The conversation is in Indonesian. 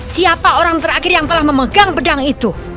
siapa orang terakhir yang telah memegang pedang itu